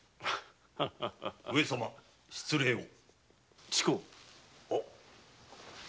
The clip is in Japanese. ・上様失礼を。